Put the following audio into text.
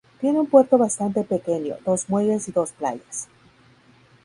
Tiene un puerto bastante pequeño, dos muelles y dos playas.